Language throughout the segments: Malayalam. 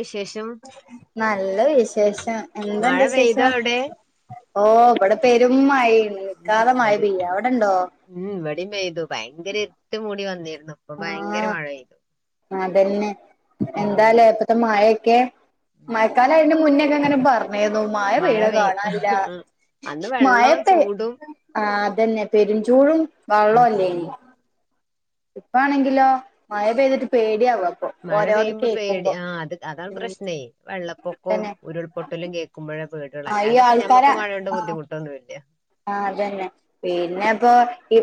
വിശേഷം നല്ല വിശേഷം എന്താ മഴ അന്റെ പെയ്തോ വിശേഷം അവിടെ ഓഹ് ഇവടെ പെരും മഴേണ് ഉം നിക്കാത മഴ ഇവിടെ പെയ്യാ അവടെണ്ടോ? ഉം ഇവടിം പെയ്തു ഭയങ്കര ഇരുട്ട് മൂടി വന്നിര്ന്നു ആ അതന്നെ ഉം എന്താലേ ഇപ്പത് പ്പത്തെ മഴക്കെ മഴക്കാലം ആയതിന്റെ മുന്നക്കെങ്ങനെ പർഞ്ഞീന്നു മഴ പെയ്യ്ണത് കാണാല്ല്യാ അന്ന് മഴ വെള്ളവും പ്പേ ചൂടും ആ അതന്നെ പെരുംചൂടും ഉം വള്ളവും ഉം ല്ല്യേയ്ന് ഇപ്പളാണെങ്കിലോ മഴ പെയ്തിട്ട് പേടിയാവാ മഴ പെയ്യുമ്പോ പേടി ആ അത് അതാണ് ഉം പ്രശ്നേ വെള്ളപ്പൊക്കവും തന്നെ ഉരുൾപൊട്ടലും കേക്ക് ക്കുമ്പഴാ പേടി ഒള്ളൂ ആഹ് ഈ അല്ലാണ്ടപ്പോ ഞമ്മക്ക് മഴോണ്ട് ബുദ്ധിമുട്ടൊന്നു ഇല്ല ആ അതന്നെ പിന്നെ പ്പോ ഈ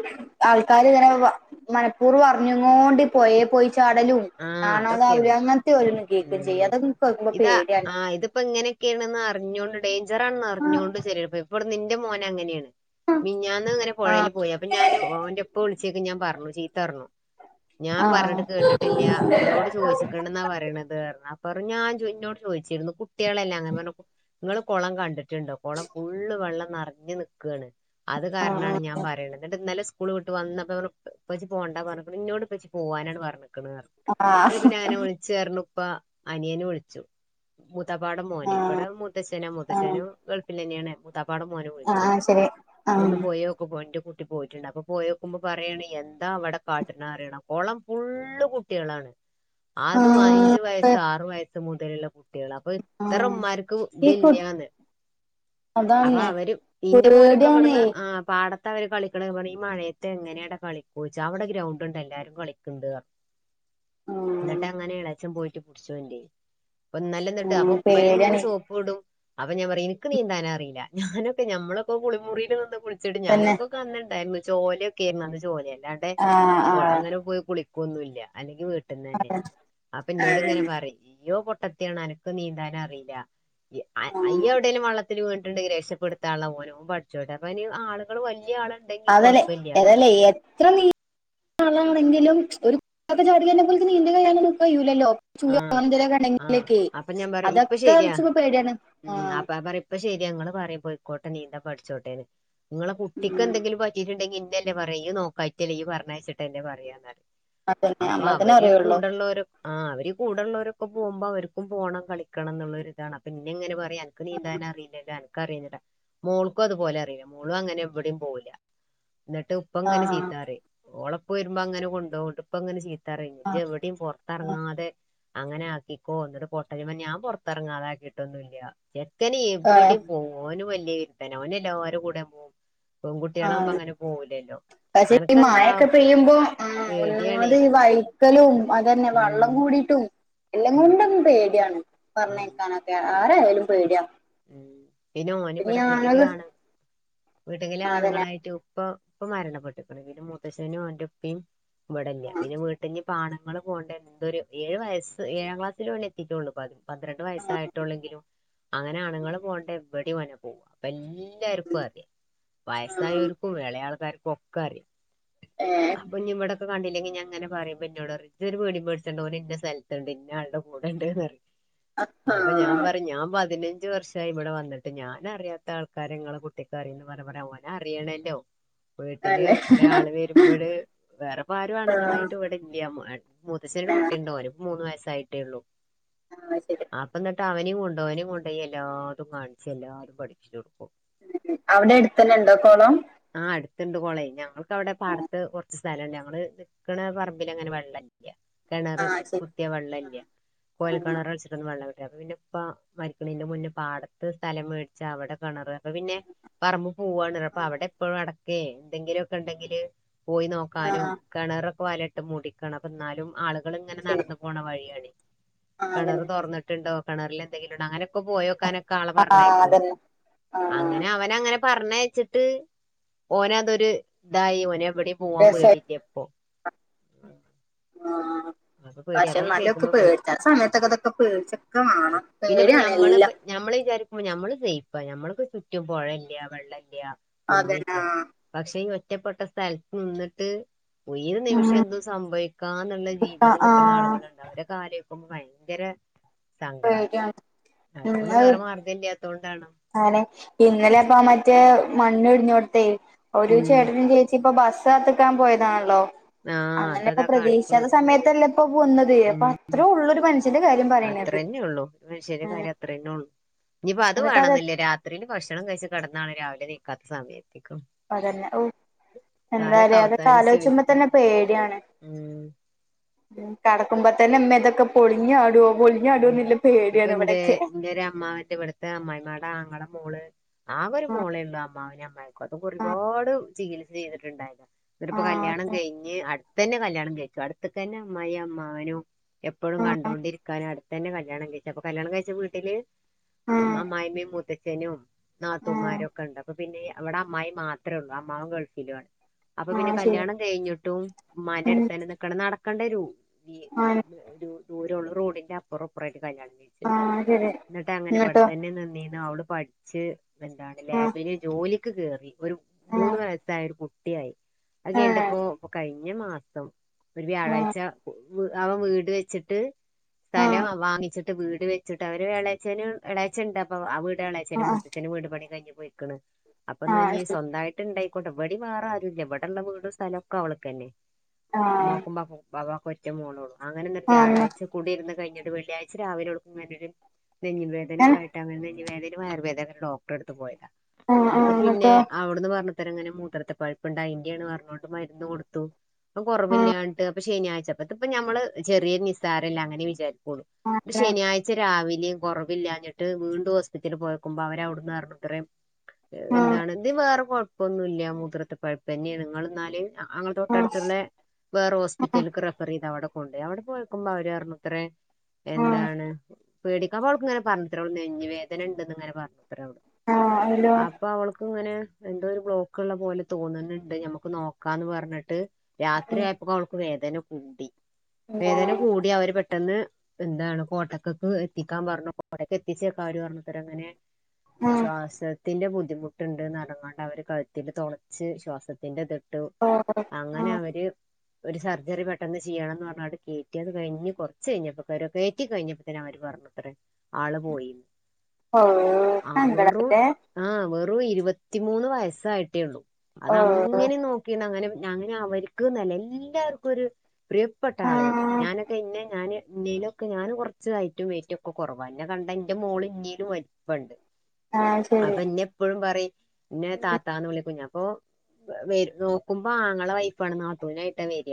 ആൾക്കാര്ങ്ങനെ വ മനപ്പൂർവം അറിഞ്ഞുങ്ങോണ്ട് പൊയേ പോയി ചാടലും ആ ആണ് അതവര് അതൊക്കെയാണ് അങ്ങൻത്തെയാ ഓരോന്ന് കേക്കും ചെയ്യാ ഉം അതൊക്കെ കേക്കുമ്പോ പേടിയാണ് ക്കെയാണ്ന്ന് അറിഞ്ഞോണ്ട് ഡേയ്ഞ്ചറാണെന്നറിഞ്ഞോണ്ട് ചെലര് പോയി ഇവിടെ ഇന്റെ മോൻ അങ്ങനെയാണ് മിൻഞ്ഞാന്ന് അങ്ങനെ ആഹ് പൊഴേല് പോയപ് അപ്പൊ ഞാന് ഓന്റെ ഇപ്പ വിളിച്ചപ്പോ ഞാൻ പറഞ്ഞു ചീത്ത പറഞ്ഞു ആഹ് ചോയിച്ച്ക്ക്ണ്ട്ന്നാ പറയണത് പർഞ്ഞ് അപ്പ പറ ഞാൻ ചോ ഇന്നോട് ചോയിച്ചിരുന്നു കുട്ട്യാളല്ലേ ഞാ പറഞ്ഞു ഇങ്ങള് കൊളം കണ്ടിറ്റ്ണ്ടോ കൊളം ഫുള്ള് വെള്ളം നെറഞ്ഞ് നിക്കാണ് അത് ആഹ് കാരണാണ് ഞാൻ പറയണ ഇന്നിട്ട് ഇന്നെലെ സ്കൂള് വിട്ട് വന്നപ്പോ ഞാൻ പറഞ്ഞു ഉപ്പച്ചി പോണ്ട പറഞ്ഞ്ക്കണ് ഇന്നോട് ഉപ്പച്ചി പോകാനാണ് പറഞ്ഞ ആഹ് ചേർനുപ്പാ അനിയന് വിളിച്ചു മൂത്തപ്പാടെ മോന് ആഹ് ഇവിടെ മുത്തശ്ശനാ ആഹ് മുത്തശ്ശനും ഗൾഫിലെന്നെയാണ് മു മൂത്തപ്പാടെ മോനും വിളിച്ചു ആഹ് ശരി ആഹ് ഒന്ന് പോയി ഓക്ക് പോയിൻ്റെ റ്റ് പോയിറ്റ്ണ്ട് അപ്പൊ പോയോക്കുമ്പോ പറയാണെ എന്താ അവിടെ കാട്ട്ണെ അറിയണോ കൊളം ഫുള്ള് കുട്ട്യാളാണ് അതും ആഹ് അഞ്ചു വയസ്സ് ആറ് വയസ്സ് മുതലുള്ള കുട്ട് ട്ട്യാള് അപ്പ ഇത്ര ആഹ് ഉമ്മാർക്ക് ഈ കു ഇതില്ലാന്ന് അപ്പ അതന്നെ അവര് ഇന്റെ മോനൊക്കെ പേടിയാണേ ഇവിടുന്ന് ആഹ് പാട ത്താ അവര് കളിക്കണെ പറയും ഈ മഴയത്ത് എങ്ങനെയാടാ കളിക്കോയിച്ചാ അവിടെ ഗ്രൗണ്ട് ഇണ്ട് എല്ലാവരും കളിക്ക്ണ്ട് പർ ആഹ് ഇന്നട്ട് അങ്ങനെ എളേച്ഛൻ പോയിറ്റ് പുടിച്ചോണ്ടിരി അപ്പൊ ഇന്നലെ ഇന്നിട്ട് അപ്പൊ ആഹ് ഉപ്പാനെ ഇങ്ങനെ പേടിയാണ് സോപ് പ്പ്ടും അപ്പൊ ഞാൻ പറയും ഇനിക്ക് നീന്താൻ അറീല്ലാ ഞാനൊക്കെ ഞമ്മളൊക്കെ കുളിമുറിയിൽ നിന്ന് കുളി ച്ചിട്ട് തന്നെ ഞങ്ങക്കൊക്കെ അന്ന്ണ്ടായിരുന്നു ചോലയെക്കെ ആയിരുന്ന് അന്ന് ചോലെലാണ് ആഹ് കൊ ആഹ് അങ്ങനെ പോയി കുളിക്കൊന്നുല്ലാ അല്ലെങ്കി വീട്ടിന്ന് തന്നെ അപ്പ ഇന്നോട് ഇങ്ങനെ അതന്നെ പറയും ഇയ്യോ പൊട്ടത്തിയാണ് അനക്ക് നീന്താൻ അറീല്ലാ യ് അ ആഹ് അയ്യ് എവിടേലും വള്ളത്തില് വീണിട്ട്ണ്ടെങ്കില് രക്ഷപ്പെടുത്താന്ള്ള ഓന് ഓൻ പഠിച്ചോട്ടെ അപ്പ ഇനി ആളുകള് വല്യ ആള് അതല്ലേ അതല്ല എത് എത്ര നീ ആളാണെങ്കിലും ഒരു [unintelligible] കയ്യൂലല്ലോ [unintelligible] ആ ആ ഇണ്ടെങ്കിലൊക്കെ അപ്പൊ ഞാൻ പറയും ഇപ്പൊ അതൊക്കെ ആലോച്ചുമ്പം പേടിയാണ് ആഹ് ക്കെ ശരിയാ ഇങ്ങള് പറയും പോയിക്കോട്ടെ നീന്തം പഠിച്ചോട്ടേന്ന് ഇങ്ങളെ കുട്ടിക്ക് ഉം. എന്തെങ്കിലും പറ്റ് പറ്റീട്ട്ണ്ടെങ്കി ഇന്നയല്ലേ പറയാ ഇയ്യ് നോക്കായിറ്റല്ലേ ഇയ്യ് പറഞ്ഞയച്ചിട്ടല്ലേ പറയാന്ന് പറയും അതന്നെ അപ്പ നമ്മൾക്കന്നെ അവര് അറിയുള്ളൂ കൂടെള്ളോര് ഒക് ആഹ് അവര് കൂടെള്ളവരൊക്കെ പോകുമ്പോ അവർക്കും പോകണം കളിക്കണം എന്നുള്ളരിതാണ് അപ്പൊ ഇന്നെ ഇങ്ങനെ പറ അനക്ക് നീന്താൻ അറീല്ലല്ലോ അന ക്ക് അറിയൊന്നൂല്ലാ മോൾക്കും അതുപോലെ അറിയില്ല മോളും അങ്ങനെ എവിടെയും പോവുല്ലാ ഇന്നിട്ട് ഇപ്പം ആ ഇങ്ങനെ ചീത്ത പറയും ഒളപ്പ വരുമ്പോ അങ്ങനെ കൊണ്ടോവും ഇട്ട് ഇപ്പങ്ങനെ ചീ ത്തറയും ആ ഇജ് എവിടെയും ആ പൊറത്തെറങ്ങാതെ അങ്ങനെ ആക്കിക്കോ ഇന്നിട്ട് പൊട്ടലിമെ ഞാൻ പൊറത്തെറങ്ങാതാക്കിയിട്ടൊന്നും ഇല്ലാ ചെക്കന് ആ, എവിടേം പോവും ഓന് വല്യ വിരുധനാ ഓന് എല്ലാരെ കൂടെ പോവും ആ. പെൺകുട്ടികളവുമ്പോ അങ്ങനെ പോവുലല്ലോ പക്ഷെ ഈ മയൊക്കെ പെയ്യുമ്പോ ആഹ് പേടിയാണേ ഒന്നാമത് ഈ വയ്ക്കലും അതന്നെ ഉം വള്ളം കൂടിട്ടും എല്ലാം ഉം കൊണ്ടും ഇന്ന് പേടിയാണ് ഉം പറഞ്ഞെയക്കാനൊക്കെ ആരായാലും പേടിയാ ഉം പിന്നെ ഓന് ഇവിടെ വീട്ടിലെ ആണു വീട്ടക്കിലെ ആ, അതന്നെ ആണുങ്ങളായിട്ട് ഉപ്പാ ഉപ്പ മരണപ്പെട്ട്ക്കണ് പിന്നെ മുത്തശ്ശനും ഓന്റെ ഉപ്പിയും ഇവിടെല്ല ആ, പിന്നെ വീട്ട്ഞ്ഞി പ്പ ആണുങ്ങള് പോണ്ട എന്തൊരു ഏഴ് വയസ്സ് ഏഴാം ക്ലാസ്സിലേ ഓൻ എത്തിട്ടുള്ളൂ പതി പന്ത്രണ്ട് ആ, വയസായിട്ടുള്ളെങ്കിലും അങ്ങനെ ആണുങ്ങള് പോകണ്ട എവിടെയും വനാ പോവാ വല് എല്ലർക്കും അറിയാം ആ, വയസ്സായർക്കും ഇളയാ ആൾക്കാർക്കും ഒക്കെ അറിയാം ഏ, അപ്പൊന്നി ഇവിട ഒക്ക കണ്ടില്ലങ്കി ഞാ അങ്ങനെ പറുമ്പോ എന്നോട് പറയും ജ്ജ് ഒരു പേടീം പേടിച്ചണ്ട ഓനിന്ന സ്ഥലത്തുണ്ട് ഇന്നയാളുടെ കൂടെണ്ട്ന്ന്‌ റയും അപ്പൊ ആ, ഞാൻ പറയും ഞാൻ പതിന് അഞ്ചു വർഷമായി ഇവിടെ വന്നിട്ട് ഞാനറിയാത്ത ആൾക്കാരങ്ങളെ ഇങ്ങളെ കുട്ടിക്ക അറിയന്ന് പറ ഓനറിയണല്ലോ വീട്ടിന് അല്ലെ ഒരാള് വരുമ്പോള് വേറെപ്പാരും ആഹ് അണുങ്ങളായിട്ട് ഇവിടെ ഇല്ല്യ മൂത്തച്ഛന് ഒരു പിന്നെ കുട്ടി ഉണ്ട് ഓനിപ്പ മൂന്ന് വയസ്സായിട്ടേ ഉള്ളു ആഹ് ശരി അപ്പ എന്നിട്ട് അവനെയും കൊണ്ടോ അവനും കൊണ്ടോയി എല്ലാതും കാണിച്ച് എല്ലാരും പഠിച്ച് കൊടുക്കും അവിടെ അടുത്തന്നെ ഉണ്ടോ കൊളം ആഹ് അടുത്തുണ്ട് കൊളേ ഞങ്ങൾക്ക് അവിടെ പാടത്ത് കുറച്ച് സ്ഥലം ഞങ്ങങ്ങള് നിക്കണ പറമ്പിൽ അങ്ങനെ വെള്ള ല്ല്യ കിണറ് ആഹ് ശരി കുത്തിയ വെള്ളല്യ കോഴൽ ആഹ് കിണറ് വെച്ചിട്ടൊന്ന് വെള്ളം കിട്ടിയ അപ്പൊ പിന്നെ ഇപ്പ മരിക്കണിന്റെ മുന്നേ പാടത്ത് സ്ഥലം മേടിച്ച് അവിടെ കിണറ് അപ്പൊ പിന്നെ പറമ്പ് പോവാണ് അപ്പൊ ആഹ് അവിടെ എപ്പഴും അടക്ക എന്തെങ്കിലുമൊക്കെ ഉണ്ടെങ്കില് പോയി നോക്കാനും ആഹ് കിണറൊക്കെ വലട്ട് മുടിക്കണ് പ്പം എന്നാലും ആളു- കൾ ഇങ്ങനെ ശരി നടന്നു പോകണ വഴിയാണെ ആഹ് കിണറ് അതന്നെ തുറന്നിട്ടുണ്ടോ കിണറില് എന്തെങ്കിലുണ്ടോ അങ്ങനൊക്കെ പോയോക്കാനൊ- ക്കാളെ ആഹ് പറഞ്ഞയക്കും അതന്നെ ആഹ് അങ്ങനെ അവനങ്ങനെ പറഞ്ഞയച്ചിട്ട് ഓനതൊരു ഇതായി ഓനെ എവിടെ- പോവാൻ രസാ പേടിയില്ലിപ്പൊ ആഹ് ആഹ് പക്ഷെ നല്ലൊക്കെ പേടിച്ച സമയത്തക്കതൊക്കെ പേടിച്ചൊക്കെ വാണം പിന്നെപ്പോ പേടിയാണ് ഞമ്മള് എല്ലാം ഞമ്മള് വിചാരിക്കും നമ്മള് സെയിഫാ ഞമ്മൾക്ക് ചുറ്റും പുഴല്യ വെള്ള ഇല്യ അതന്നെ കുന്നില്യ പക്ഷേ ഈ ഒറ്റപ്പെട്ട സ്ഥലത്ത് നിന്നിട്ട് ഏത് ഒരു നിമിഷം എന്തും സംഭവിക്കാംന്നുള്ള രീതിയിൽ ആഹ് നിൽക്കണ ആഹ് ആളുകളുണ്ട് അവരു കാര്യ- അപ്പൊമ്മക്ക് ഭയങ്കര സങ്കട പേടിയാണ് ഉം ആവർക്കൊന്നും വേറെ അത് മാർഗഇല്ലാത്തോണ്ടാണ് ആണ് ഇന്നലെ അപ്പൊ ആ മറ്റേ മണ്ണ് ഇടിഞ്ഞോടുത്തെ ഒരു ഉം ചേട്ടനും ചേ ച്ചി ഇപ്പ ബസ് കാത്തുനിക്കാൻ പോയതാണല്ലോ ആഹ് അങ്ങനെ ഇപ്പൊ അതതാ കാണിക്കണ് പ്രതീക്ഷിക്കാത്ത ഉം സമയത്തല്ലേ ഇപ്പ പൊന്നത് അപ്പൊ അത്രേ ഉള്ളരു മനുഷ്യന്റെ കാര്യം പറയണ ഇത്ര തന്നെയേ ഉള്ളൂ എന്നാ ശരി കാരം അത്രേന്ന ഉള്ളൂ ഇനിയിപ്പ അത് വേണെന്നില്ലേ രാത്രിൽ ഭക്ഷണം കഴിച്ച കിടന്നാണ് രാവിലെ നീക്കാത്ത സമയത്ത് അതന്നെ ഓ എന്താലേ കാലൊക്കെ അതൊക്കെ അവസാനിച്ചു ആലോചിച്ച്മ്പം തന്നെ പേടിയാണ് ഉം കടക്കുമ്പോ തന്നെ ഉമ്മേ ഇതൊക്കെ പൊളിഞ്ഞാടുവോ പൊളിഞ്ഞാടുവോ ന്നല്ല പേടിയാണ് ഇവിടൊക്കെ എന്റെ ഒരു അമ്മാന്റെ ഇവിടുത്തെ അമ്മായിമ്മടെ ആങ്ങളെ മോള് ആകെ ഒരു മോളെ ഉള്ളൂ അമ്മാവനും അമ്മായി അന്നൊക്കെ ആഹ് ഒരുപാട് ചികിത്സ ചെയ്തിട്ടുണ്ടായിരുന്നു എന്നിട്ടിപ്പൊ കല്യാണം ആഹ് കഴിഞ്ഞ് അ- തന്നെ കല്യാണം കഴിച്ചു അടുത്തക്കന്നെ അമായിയും അമ്മാവനും എപ്പോഴും ആഹ് ആഹ് കണ്ടൊണ്ടിരി അടുത്ത് തന്നെ കല്യാണം കഴിച്ചു അപ്പൊ കല്യാണം കഴിച്ച വീട്ടില് ആഹ് അമ്മായിമ്മയും മുത്തച്ഛനും ആഹ് നാത്തൂമാരൊക്കെ ഉണ്ട് അപ്പൊ പിന്നെ അവിടെ അമ്മായി മാത്രേ ഉള്ളൂ അമ്മാവൻ ഗൾഫിലും ആണ് അപ്പൊ പിന്നെ ആഹ് ശരി കല്യാണം കഴിഞ്ഞിട്ടും ഉമ്മാന്റെ ഉം അടുത്തു തന്നെ നിക്കണ നടക്കെണ്ടരു ഈ ആഹ് ഒരു ദൂരമള്ള റോഡിന്റെ അപ്പുറം ഇപ്പറവും ആയിട്ട് കല്യാണം കഴിച്ച് ആഹ് ശരി എന്നിട്ട് അങ്ങനെ എന്നിട്ടോ ഇവിടെത്തന്നെ നിന്നീന്ന് അവള് പഠിച്ച് എന്താണ് ആഹ് ലാബില് ജോലിക്ക് കേറി ഒരു മൂന്ന് ആഹ് വയസ്സായ ഒരു കുട്ടിയായി അത് ആഹ് കേണ്ടപ്പോ അപ്പൊ കഴിഞ്ഞ മാസം ഒരു ആഹ് വ്യാഴാഴ്ച അവൻ വീട് വെച്ചിട്ട് സ്ഥലം ആഹ് വങ്ങിച്ചിട്ട് വീട് വെച്ചിട്ട് അവര് എളേച്ഛനും എളേച്ഛൻ ഇണ്ട് അപ്പോ ആ വീട് എളേ ച്ഛനും ആഹ് മുത്തച്ഛനും വീട് പണി കഴിഞ്ഞ് പോയിക്ക്ണ് അപ്പന്നാ ആഹ് ഇഞ്ഞ് ശരി സ്വന്താ യിട്ട് ഇണ്ടായിക്കോട്ടെ ഇവടിം വേറാരും ഇല്ല ഇവിടള്ള വീടും സ്ഥലൊക്കെ അവൾക്കെന്നെ ആഹ് ഉമ്മക്കും ബാപ്പാക്കും ആകെ ഒറ്റ മോളോള്ളൂ അങ്ങനെങ്ങെട്ട് ആഹ് വ്യാഴായി കൂടിര്ന്ന് കഴിഞ്ഞിട്ട് വെള്ളിയാഴ്ച്ച രാവിലെ ഓൾക്ക് ഇങ്ങനൊര് നെഞ്ച് ഏഹ് വേദനൊക്കായിട്ട് അങ്ങനെ നെഞ്ച് വേദ വയറ് വേദന എട്ത്ത് ഡോക്ടറെട്ത്ത് പോയതാ ആഹ് അപ്പൊ ആഹ് പിന്നെ എന്നിട്ടോ അവിട്ന്ന് പറഞ്ഞ് പ്പര്ങ്ങനെ മൂത്രത്തി പഴ്പ്പ്ണ്ട് അയിന്റെ ആണ്ന്ന് പറഞ്ഞോണ്ട് മര്ന്ന് കൊട്ത്തു അപ്പം ആഹ് കൊറവില്ലാഞ്ഞ്ട്ട് അപ്പ ശനിയാഴ്ച്ച ഇത്പ്പം ഞമ്മള് ചെറ്യേ നിസ്സാരല്ലേ അങ്ങനെ വിചാരിക്കൊള്ളൂ ആഹ് ആഹ് ശനിയാ ഴ്ച്ച രാവിലേം കൊറവില്ലാഞ്ഞിട്ട് വീണ്ടും ഹോസ്പിറ്റലിൽ പോയൊക്കുമ്പോ അവര് അവിട്ന്ന് പറഞ്ഞുത്രേ എന്താണ് ഇതീ വേറെ കൊഴപ്പൊന്നുല്ല മൂത്രത്തെ പഴ്പ്പെന്ന്യാണ് ഇങ്ങള് ഇന്നാല് അ അങ്ങളെ ആഹ് തൊട്ടട്ത്ത്ള്ള വേറെ ആഹ് ഹോസ്പിറ്റല്ക്ക് റഫറെയ്ത് അവിടെ കൊണ്ടോയി അവിടെ പോയ ക്കുമ്പോ അവര് പറഞ്ഞുത്രേ ആഹ് എന്താണ് പേടിക്കാ [unintelligible] ഇങ്ങനെ പറഞ്ഞുത്രേ ഓള് നെഞ്ച് വേദന ഇണ്ടെന്ന്ങ്ങനെ പറഞ്ഞുത്രേ അവള് ആഹ് അയിലോ അപ്പൊ അവൾക്ക് ഇങ്ങനെ എന്തോ ഒര് ബ്ലോക്ക്ള്ള പോലെ തോന്ന്ന്ന്ണ്ട് ഞമ്മക്ക് നോക്കാന്ന് പറഞ്ഞിട്ട് രാത്രി ആയപ്പോക്ക് അവള്ക്ക് വേദന കൂടി പിന്നെ വേദന കൂടി അവര് പെട്ടെന്ന് എന്താണ് കോട്ടക്കക്ക് എത്തിക്കാൻ പറഞ്ഞു കോട്ടക്ക് എത്തിച്ചേക്ക് അവര് പറഞ്ഞുത്രേ ഇങ്ങനെ ആഹ് ശ്വാസ ത്തിന്റെ ബുദ്ധിമുട്ട്ണ്ട്ന്ന് പറഞ്ഞ്ക്കാണ്ട് അവര് കഴ്ത്തില് തൊളച്ച് ശ്വാസത്തിന്റെ ഇതിട്ടു ഓഹ് അങ്ങനെ ആഹ് അവര് ഒര് സർജറി പെട്ടെന്ന് ചെയ്യണംന്ന് പറഞ്ഞാണ്ട് കേ റ്റി അത് കഴിഞ്ഞ് കൊറച്ച് കഴിഞ്ഞപ്പൊ [unintelligible] കേറ്റി കഴിഞ്ഞപ്പോ തന്നെ അവര് പറഞ്ഞുത്രേ ഓഹ് അതെന്താണാവോ ലേ ആഹ് വെറും ഇരുപത്തിമൂന്ന് വയസ്സായിട്ടേ ഒള്ളൂ ഓഹ് അതങ്ങനെ നോ ക്കിണങ്ങനിം ഞങ്ങനെ അവര്ക്ക്ന്നല്ല എല്ലാർക്കൊര് പ്രിയപ്പെട്ട ആളായിരുന്നു ആഹ് ഞാനൊക്കെ ഇന്നേ ഞാന് ഇന്നേലൊക്കെ ഞാന് കൊറച്ച് ഹൈറ്റും വെയിറ്റൊക്കെ കൊറവാ ഇന്നെ കണ്ടാ ഇന്റെ മോള് ഇന്നേലും വ ലിപ്പണ്ട് ആഹ് ശരി അപ്പൊ ഇന്ന എപ്പഴും പറയും ഇന്നെ താത്താന്ന് വിളിക്കും ഞാൻ ഇപ്പൊ വെര് നോക്കുമ്പോ ആങ്ങള വൈഫാണ് നാത്തൂനായിട്ടാ വെര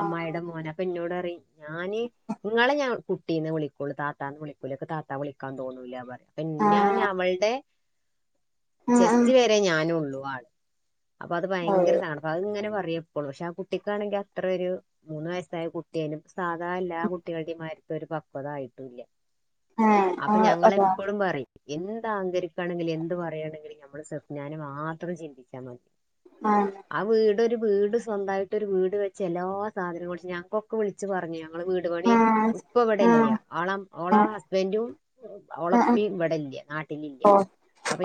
ആഹ് അമ്മായിടെ മോനാ ഇപ്പം ഇന്നോട് പറയും ഞാന് ഇങ്ങളെ ഞാൻ കുട്ടീന്ന് വിളിക്കൊള്ളൂ താത്താന്ന് വിളിക്കൂല ഇൻക്ക് താത്താ വിളിക്കാൻ തോന്നൂല പറയും പി ഞാൻ ആഹ് അവള്ടെ ആഹ് ആഹ് ചെസ്റ്റ് വരെ ഞാനൊള്ളു ആള് അപ്പൊ അത് ഭയങ്കര ഓഹ് [unintelligible] അപ്പ അത് ഇങ്ങനെ പറയും എപ്പളും പക്ഷെ ആ കുട്ടിക്കാണെങ്കില് അത്ര ഒരു മൂന്ന് വയസ്സായ കു ട്ട്യാണ് സാധാ എല്ലാ കുട്ടികള്ടെ മാരിക്ക് ഒരു പക്വത ആയിട്ടും ഇല്ല ഏഹ് അപ്പൊ ആഹ് അതാ ഞങ്ങളെപ്പഴും പറയും എന്ത്‌ അഹങ്കരിക്കാണെങ്കിലും എന്ത് പറയാണെങ്കിലും ഞമ്മള് സഫ്‌നാന്നേ മാത്രം ചിന്തിച്ചാ മതി ആഹ് ആ വീട് ഒരു വീട് സ്വന്തായിട്ടൊര് വീട് വെച്ച് എല്ലാ സാധനങ്ങളും ഞങ്ങക്കൊക്കെ വിളിച്ച് പറഞ്ഞ് ഞങ്ങളെ വീ ട് പണി ആഹ് ഉപ്പ ഇവടെല്ല ആഹ് ഓളെ ഓളെ ആഹ് ഹസ്ബന്റും ഓളെ ആഹ് ഇപ്പിം ഇവടെ ഇല്ല നാ ട്ടിലില്ല ഓഹ്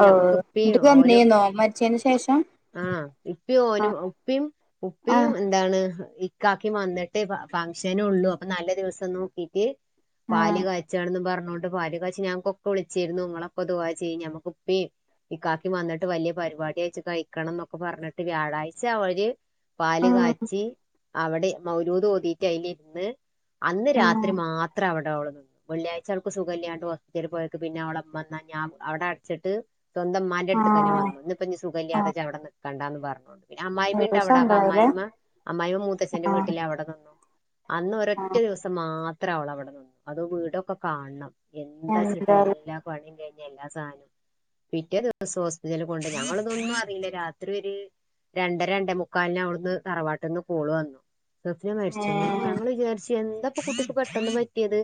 ഓഹ് ഇന്നെട്ട് വെന്നീന്നൊ മരിച്ചേന് ശേഷം ആഹ് ഇപ്പിം ഓനും ആഹ് ഉപ്പിം ഉപ്പിം ആഹ് എന്താണ് ഇ ക്കാക്കിം വന്നിട്ടെ ഫംഗ്ഷനൊള്ളു അപ്പൊ നല്ല ദിവസം നോക്കിയിട്ട് പാല് ആഹ് കാച്ചാണെന്ന് പറഞ്ഞോണ്ട് പാല് കാച്ചി ഞ ഉപ്പ വിളിച്ചിരുന്നു നിങ്ങളൊക്ക ദുആ ചെയ്യീ നമ്മക്ക് ഉപ്പി ഇക്കാക്കിം വന്നിട്ട് വലിയ പരിപാടിയായ്ച്ച് കഴിക്കണം എന്നൊക്കെ പറഞ്ഞിട്ട് വ്യാഴാഴ്ച്ച അവര് പാല് കാച്ചി അവടെ മൗലൂതോതിട്ട് അതിലിരുന്ന് അന്ന് രാത്രി ആഹ് മാത്രം അവടെ ഓള് വെള്ളിയാഴ്ച്ച അവൾക്ക് സുഖല്യാണ്ട് ഹോസ്പിറ്റലിൽ പോയക്ക് പിന്നെ അവളെ ഇമ്മന്നാ ഞാൻ അവടെ അടച്ചിട്ട് സ്വന്തം മ്മാന്റെ അട്ത്ത്ക്കന്നെ ആഹ് വന്ന് ഇഞ്ഞ്പ്പ ഇനി സുഖല്ലാതെ ആഹ് ഇജവടെ നിക്കണ്ടാന്ന് പറഞ്ഞോണ്ട് പിന്നെ ഒരു അമ്മായിമ്മ്ണ്ടവടെ അപ്പ സങ്കടായില്ലേ അമ്മായിമ്മ അമ്മായിമ്മ മൂത്തച്ഛന്റെ ആഹ് വീട്ടില് അവടെ നിന്ന് അന്ന് ഒരൊറ്റ ആഹ് ദിവസം മാത്ര അവളവടെ നിന്നു അതും വീടൊക്കെ കാണണം എന്താ ചിട്ടാ എന്തായാലും എല്ലാ പണിയും കഴിഞ്ഞ് എല്ലാ സാധനും പിറ്റേ ദിവസം ഹോസ്പിറ്റല് കൊണ്ട് ഞങ്ങള്തൊന്നും അറീല്ല രാത്രി ഒര് രണ്ടര രണ്ടേമുക്കാലിന് അവ്ട്ന്ന് തറവാട്ട്ന്ന് കോള് വന്നു [unintelligible] ചെന്നപ്പ ഏഹ് ഞങ്ങള് വിചാര്ച്ച് എന്താപ്പ കുട്ടിക്ക് പെട്ടെന്ന് പറ്റിയത്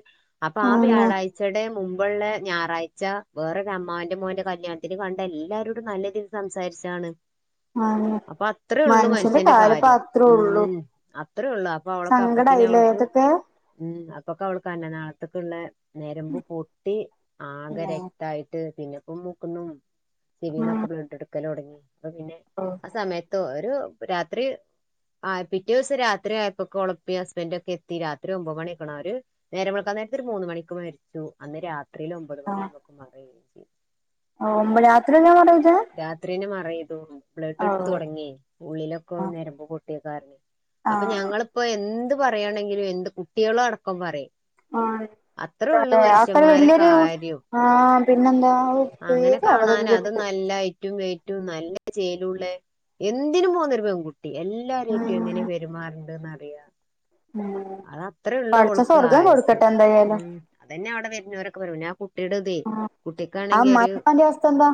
അപ്പ ആ ആന്ന് വ്യാഴാഴ് ച്ചടെ മുമ്പ്ള്ള ഞായറാഴ്ച്ച വേറൊരു അമ്മാവന്റെ മോന്റെ കല്യാണത്തിന് കണ്ട എല്ലാരോടും നല്ല രീ തി സംസാരിച്ചാണ്. ആന്ന് അപ്പ അത്രേ ഒള്ളു മനുഷ്യന്റെ കാര്യപ്പ കാര്യം അത്രേ ഉള്ളൂ ഹ്മ്മ് അത്രള്ളൂ, അപ്പ അവൾക്ക് അപ്പക്കിന് സങ്കടായില്ലേ അവൾക്ക് ഇതൊക്കെ ഹ്മ്മ് അപ്പവൾക്ക് അന്നനാളത്ത്ക്ക്ള്ള നെരമ്പ് പൊട്ടി ആകെ ഉം രക്തായിട്ട് പിന്നെപ്പം മൂക്ക്ന്നും ചെവിന്നൊക്കെ ബ്ലഡ് എട് ക്കലൊടങ്ങി അപ്പൊ പിന്നെ ആഹ് ആ സമയത്ത് ഒരു രാത്രി ആ പിറ്റേ ദിവസം രാത്രി ആയപ്പൊക്കോളെ ഈ ഹസ്ബന്റൊക്കെ എത്തി രാത്രി ഒമ്പമണിയക്കായിണവര് നേരം വെളുക്കാൻ നേരത്തെ മൂന്ന് മണിക്ക് മര് ച്ചു അന്ന് രാത്രിയില് ഒമ്പത് മണി ആവുമ്പോക്ക് മറ ചെയ്തു ഒമ്പ രാത്രി തന്നെ മറയ്ത് രാത്രിയന്നെ മറെയ്തു ബ്ലഡ് ഇടുത്തൊടങ്ങിയ ഉള്ളിലൊക്കെ ആഹ് നേരമ്പ് പൊട്ടിയ കാരണെ അപ്പ ആഹ് ഞങ്ങളിപ്പോ എന്ത് പറയാണെങ്കിലും എന്ത് കുട്ട്യാളടക്കം പറിം ആഹ് എന്താലെ അതൊക്കൊരു വല്യരു കാര്യം ആഹ് പിന്നെന്താ ഔ പേടിയാവ ഇതൊക്കെ കേട്ടിട്ട് റ്റും വൈറ്റും നല്ല ചേലുള്ള എന്തിനും പോന്നൊരുപെൺകു ട്ടി എല്ലാരെറ്റും എങ്ങനെ ഉം പെരുമാറെണ്ടെന്നറിയ ഉം അത് അത്രേ ഒള്ളു പടച്ചോൻ അവൾക്ക് സ്വർഗം ആയുസ് കൊടുക്കട്ടെ എന്തായാലും ഹ്മ്മ് അതന്നെ അവടെ വരുന്നവരൊക്കെ പറയാ പിന്നെ ആ കുട്ടിയിടെ ഇതെ കുട്ടിക്കാണെങ്കി ഇ [unintelligible] പ്പാന്റിം അവസ്ഥന്താ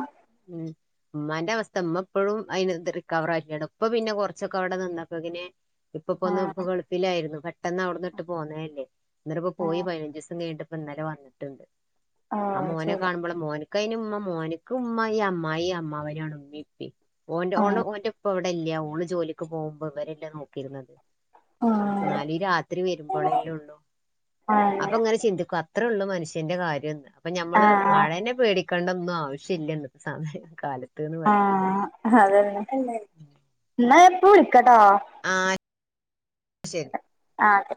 ഹ്മ്മ് ഇമ്മാന്റെ അവസ്ഥ ഇമ്മ ഇപ്പഴും അയ്ന് റിക്കവറാക്കിയട്ടോ ഇപ്പ പിന്നെ കൊറച്ചൊക്കെ അവടെ നിന്നപ്പക്ക്ന് ഇപ്പ ഇപ്പൊന്ന് ഇപ്പ ആഹ് ഗൾഫിലായിരുന്നു പെട്ടന്നവ്ട്ന്ന്ട്ട് പോന്നെല്ലേ എന്നട്ട് ഇപ്പ പോയി ആഹ് പതിനഞ്ച് ദിവസം കഴിഞ്ഞ്ട്ട് ഇന്നലെ വന്ന്ട്ട്ണ്ട്. ഓ ആ മോനെ ശരി കാണുമ്പളാ മോന് ക്കഅയിന് ഉമ്മ മോന്ക്ക് ഉമ്മ ഈ അമ്മായി അമ്മാവനാണ് ഉമ്മീം ഉപ്പി ഓന്റെ ഓളെ ആഹ് ഓന്റെ ഇപ്പ ഇവട്ക്കാ ഇപ്പല്യ ഓള് ജോലിക്ക് പോകുമ്പോ ഇവരല്ലേ നോക്കിരുന്നത് ആഹ് ഇന്നാല് രാത്രി വെരുമ്പളെല്ലൊള്ളൂ, അപ്പ ആഹ് ഇങ്ങനെ ചിന്തിക്കും അത്രൊള്ളൂ മനുഷ്യന്റെ കാര്യംന്ന് അപ്പ നമ്മള് മഴനെ പേടിക്കണ്ടൊന്നും ആവശ്യംല്ല ഇന്നത്തെ സമയ കാലത്ത് എന്ന് പറയാം ആഹ് അതന്നെ അല്ലെ, ഇന്നാ ഞാൻ ഇപ്പ വിളിക്കട്ടാ ആഹ് ശെരി ആഹ് ശെ